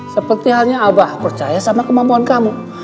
seperti halnya abah percaya sama kemampuan kamu